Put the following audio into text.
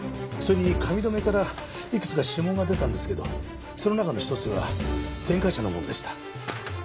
それに髪留めからいくつか指紋が出たんですけどその中の１つが前科者のものでした。